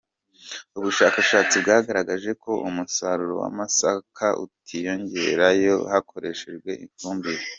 Ubushakashatsi bwagaragaje ko umusaruro w’amasaka utiyongera iyo hakoreshejwe ifumbire.